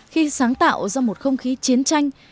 khi sáng tạo ra một không khí chiến tranh